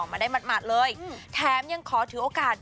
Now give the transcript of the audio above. มาได้หมาดเลยแถมยังขอถือโอกาส